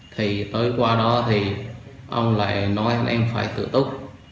thì tới qua đó thì ông lại nói anh em phải tự tục